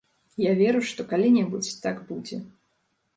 Я веру, што калі-небудзь так будзе.